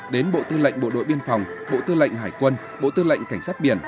đến bộ tư lệnh bộ đội biên phòng bộ tư lệnh hải quân bộ tư lệnh cảnh sát biển